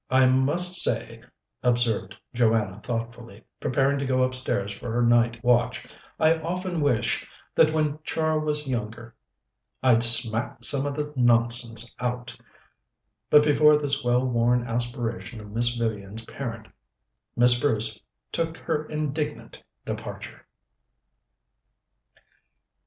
I must say," observed Joanna thoughtfully, preparing to go upstairs for her night watch, "I often wish that when Char was younger I'd smacked some of the nonsense out " But before this well worn aspiration of Miss Vivian's parent, Miss Bruce took her indignant departure.